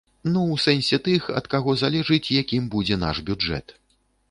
Ну, у сэнсе, тых, ад каго залежыць, якім будзе наш бюджэт.